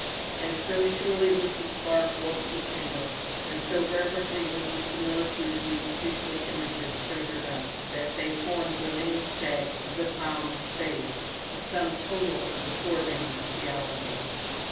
And so surely was the spark wont to kindle, and so reverently was the similitude of these priestly images treasured up, that they formed the mainstay of the ploughman's faith, the sum total of the poor man's theology.